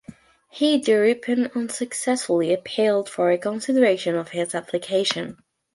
He thereupon unsuccessfully appealed for reconsideration of his application.